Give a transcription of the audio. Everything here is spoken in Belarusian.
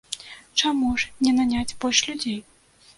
Чаму ж не наняць больш людзей?